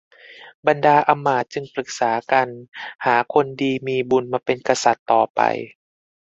บรรดาอำมาตย์จึงปรึกษากันหาคนดีมีบุญมาเป็นกษัตริย์ต่อไป